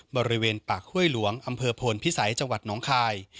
บริเวณปากห้วยหลวงอำเภอโพนพิสัยจังหวัดน้องคาย